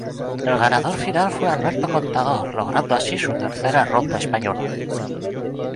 El ganador final fue Alberto Contador, logrando así su tercera ronda española.